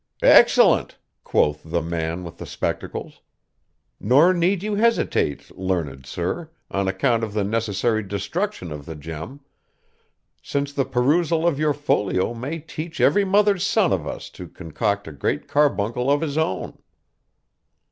'Excellent!' quoth the man with the spectacles. 'Nor need you hesitate, learned sir, on account of the necessary destruction of the gem; since the perusal of your folio may teach every mother's son of us to concoct a Great Carbuncle of his own.